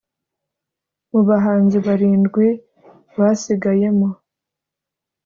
Mu bahanzi barindwi basigayemo